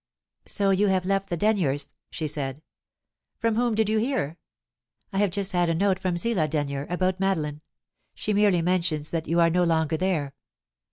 "So you have left the Denyers'?" she said. "From whom did you hear?" "I have just had a note from Zillah Denyer, about Madeline. She merely mentions that you are no longer there."